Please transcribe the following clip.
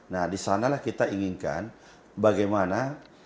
nah di sanalah kita inginkan bagaimana